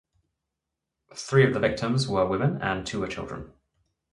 Three of the victims were women and two were children.